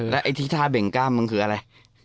แล้วไอ้ที่ท่าเบ่งกล้ามมึงคืออะไร